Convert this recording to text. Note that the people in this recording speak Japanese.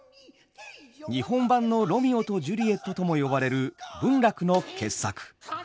日本版の「ロミオとジュリエット」とも呼ばれる文楽の傑作。